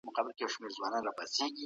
ترخې خبرې زړونه ماتوي.